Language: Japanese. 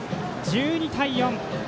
１２対４。